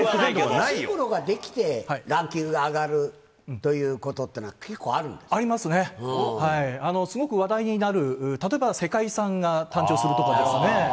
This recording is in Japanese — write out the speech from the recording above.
新しい所が出来て、ランキングが上がるということっていうのありますね、すごく話題になる、例えば、世界遺産が誕生するとかですね。